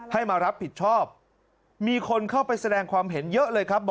ให้มารับผิดชอบมีคนเข้าไปแสดงความเห็นเยอะเลยครับ